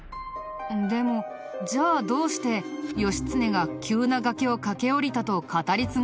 でもじゃあどうして義経が急な崖を駆け下りたと語り継がれていると思う？